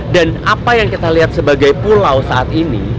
dan apa yang kita lihat sebagai pulau saat ini